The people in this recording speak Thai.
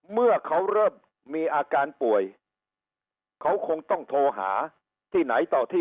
เมื่อเขาเริ่มมีอาการป่วยเขาคงต้องโทรหาที่ไหนต่อที่